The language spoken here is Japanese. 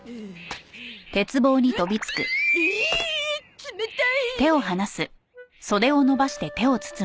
冷たい！